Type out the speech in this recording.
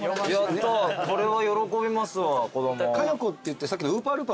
やったこれは喜びますわ子供。